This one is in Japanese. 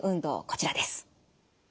こちらです。